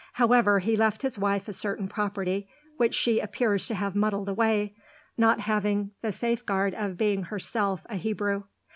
However, he left his wife a certain property, which she appears to have muddled away, not having the safeguard of being herself a Hebrew.